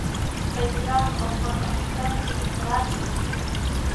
په اسراف او خوند اخیستنه کې افراط کوي.